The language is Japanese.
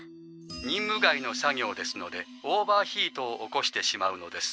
任務外の作業ですのでオーバーヒートを起こしてしまうのです。